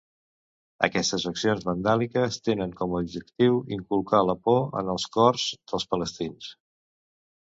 Aquestes accions vandàliques tenen com a objectiu inculcar la por en els cors dels palestins.